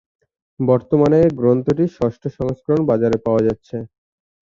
বর্তমানে গ্রন্থটির ষষ্ঠ সংস্করণ বাজারে পাওয়া যাচ্ছে।